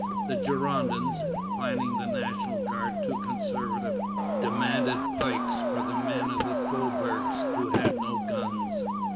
The Girondins, finding the National Guard too conservative, demanded pikes for the men of the faubourgs who had no guns.